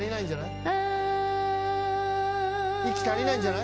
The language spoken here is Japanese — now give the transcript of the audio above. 息足りないんじゃない。